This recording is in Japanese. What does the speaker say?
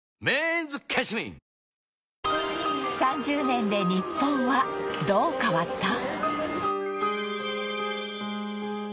３０年で日本はどう変わった？